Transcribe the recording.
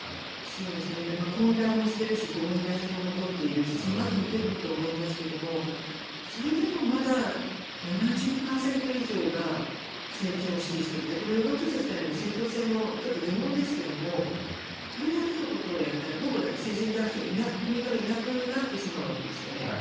混乱もしているし強引な手法を取っているしそのあとに出てくると思いますがそれでもまだ７０％以上が政権を支持しているってこの世論調査自体の正当性もちょっと疑問ですがこれだけのことをやったらほぼ成人男性は国からいなくなってしまうわけですよね。